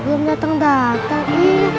belum datang datang